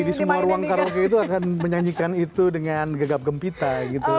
karena memang kita juga akan menyanyikan itu dengan gegap gempita gitu